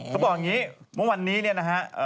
เขาบอกอย่างนี้เมื่อวันนี้เนี่ยนะฮะ